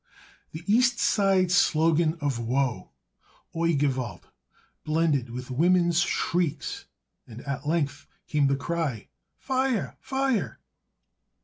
The East Side slogan of woe, "Oi gewalt," blended with women's shrieks, and at length came the cry: "Fie urr! Fie urr!"